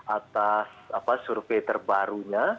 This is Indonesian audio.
atas survei terbarunya